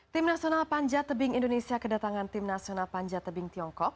tim nasional panjat tebing indonesia kedatangan tim nasional panjat tebing tiongkok